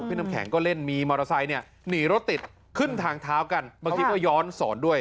พี่น้ำแข็งก็เล่นมีมอเตอร์ไซต์หนีรถติดขึ้นทางเท้ากันเมื่อกี้ก็ย้อนสอนด้วย